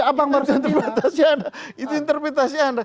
abang baru sendiri